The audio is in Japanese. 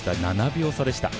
７秒差でした。